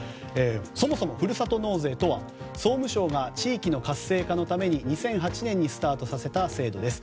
そもそもふるさと納税とは総務省が地域の活性化のために２００８年にスタートさせた制度です。